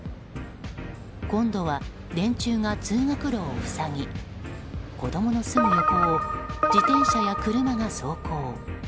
今度は電柱が通学路を塞ぎ子供のすぐ横を自転車や車が走行。